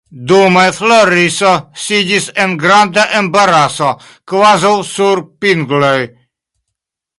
Dume Floriso sidis en granda embaraso, kvazaŭ sur pingloj.